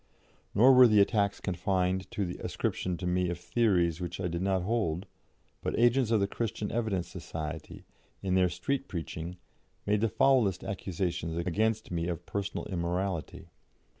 Nor were the attacks confined to the ascription to me of theories which I did not hold, but agents of the Christian Evidence Society, in their street preaching, made the foulest accusations against me of personal immorality.